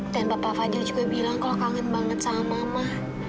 dan papa fadil juga bilang kalau kangen banget sama mama